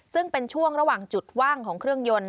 ซึ่งเป็นช่วงระหว่างจุดว่างของเครื่องยนต์